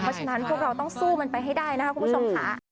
เพราะฉะนั้นพวกเราต้องสู้มันไปให้ได้นะคะคุณผู้ชมค่ะ